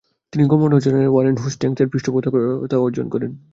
তিনি governor general Warren হোস্টংস্-এর পৃষ্ঠপোষকতা অর্জন করেন।